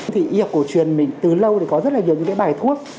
thì y học cổ truyền mình từ lâu thì có rất là nhiều những cái bài thuốc